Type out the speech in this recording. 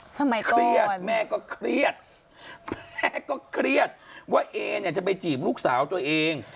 สมัยก้นแม่ก็เครียดแม่ก็เครียดว่าเอจะไปจีบลูกสาวตัวเอง